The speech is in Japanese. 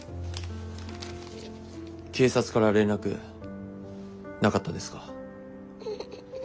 警察から連絡なかったですか？